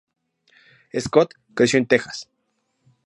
Scott creció en Texas.